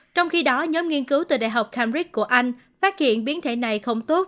trong khi đó nhóm nghiên cứu từ đại học camrik của anh phát hiện biến thể này không tốt